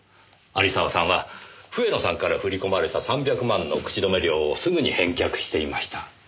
有沢さんは笛野さんから振り込まれた３００万の口止め料をすぐに返却していました。